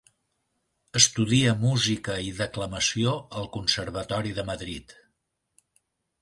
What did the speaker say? Estudia Música i Declamació al Conservatori de Madrid.